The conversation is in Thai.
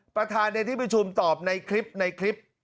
ประธานในที่ประชุมตอบในคลิป